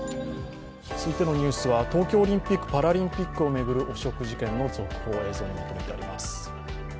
続いてのニュースは東京オリンピック・パラリンピックを巡る汚職事件の続報を映像にまとめてあります。